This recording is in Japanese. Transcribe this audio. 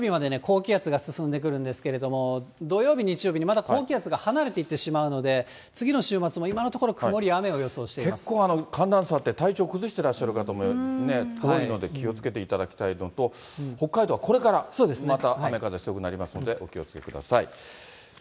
ちょっと土、日、月と全国的に傘この金曜日までね、高気圧が進んでくるんですけれども、土曜日、日曜日にまた高気圧が離れていってしまうので、次の週末も今のと結構寒暖差あって、体調崩してらっしゃる方も多いので、気をつけていただきたいのと、北海道はこれからまた雨風強くなりますので、お気をつけください。